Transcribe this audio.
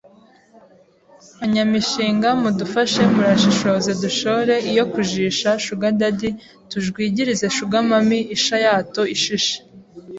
anyamishinga mudufashe Murashishoze dushoore Iyo kujisha shugadadi Tujwigirize shugamami Isha y’ato ishishe